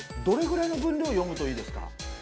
どれぐらいの分量読むといいですか？